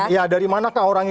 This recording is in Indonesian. ya dari manakah orang itu